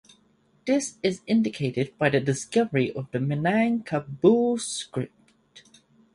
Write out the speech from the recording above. This is indicated by the discovery of the Minangkabau script.